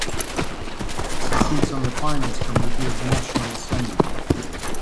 She sits on the Finance Committee of the National Assembly.